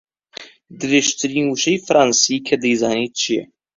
درێژترین وشەی فەڕەنسی کە دەیزانیت چییە؟